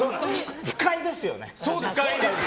不快ですよね。